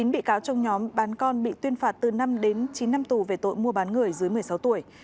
một mươi bị cáo trong nhóm bán con bị tuyên phạt từ năm đến chín năm tù về tội mua bán người dưới một mươi sáu tuổi